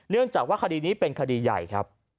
เนื่องจากว่าคดีนี้เป็นคดีใหญ่ครับ